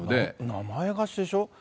名前貸しでしょ。